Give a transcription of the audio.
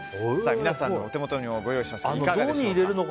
皆さんのお手元にもご用意しました。